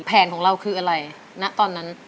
แผนของเราคืออะไรณตอนนั้น